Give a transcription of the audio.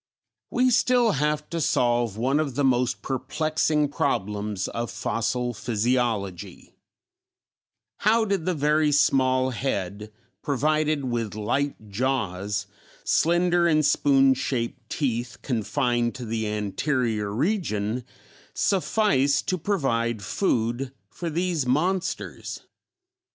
_ We still have to solve one of the most perplexing problems of fossil physiology; how did the very small head, provided with light jaws, slender and spoon shaped teeth confined to the anterior region, suffice to provide food for these monsters?